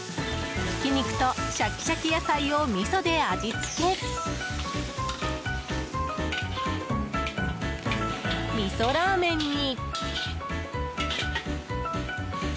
ひき肉とシャキシャキ野菜をみそで味付け、みそラーメンに。